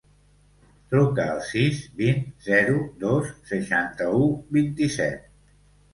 Truca al sis, vint, zero, dos, seixanta-u, vint-i-set.